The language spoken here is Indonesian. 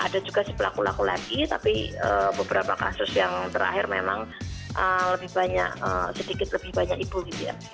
ada juga si pelaku pelaku lagi tapi beberapa kasus yang terakhir memang lebih banyak sedikit lebih banyak ibu gitu ya